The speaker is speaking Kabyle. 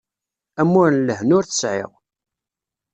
Amur n lehna ur t-sεiɣ.